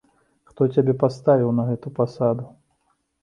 Хто цябе паставіў на гэтую пасаду?